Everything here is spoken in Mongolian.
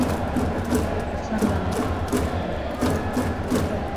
Надаас гуйгаа ч үгүй л дээ.